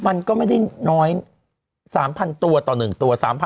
มันก็ไม่ได้น้อย๓๐๐๐ตัวต่อ๑ตัว๓๐๐๐ต่อ๑อะ